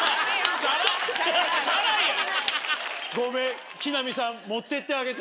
ごめん。